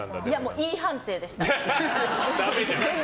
Ｅ判定でした。